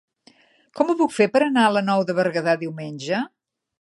Com ho puc fer per anar a la Nou de Berguedà diumenge?